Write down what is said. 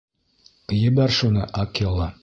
Ебәр шуны, Акела.